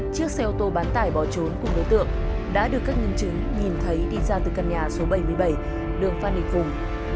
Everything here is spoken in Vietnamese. chiếc xe ô tô bán tải bỏ trốn cùng đối tượng đã được các nhân chứng nhìn thấy đi ra từ căn nhà số bảy mươi bảy đường phan đình phùng